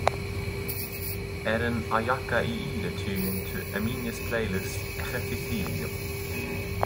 Add an Ayaka Iida tune to herminia's playlist ejercicio